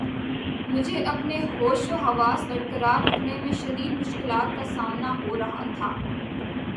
مجھے اپنے ہوش و حواس بر قرار رکھنے میں شدید مشکلات کا سامنا ہو رہا تھا